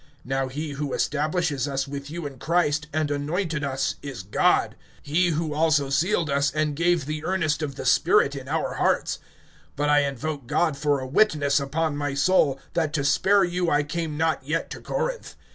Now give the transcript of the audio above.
(21)Now he who establishes us with you in Christ, and anointed us, is God; (22)he who also sealed us, and gave the earnest of the Spirit in our hearts. (23)But I invoke God for a witness upon my soul, that to spare you I came not yet to Corinth.